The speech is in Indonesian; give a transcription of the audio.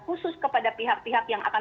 khusus kepada pihak pihak yang akan